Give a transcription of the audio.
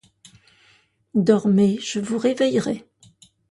Dormez, je vous réveillerai.